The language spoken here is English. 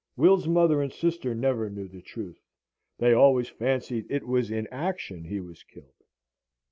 Will's mother and sister never knew the truth. They always fancied it was in action he was killed.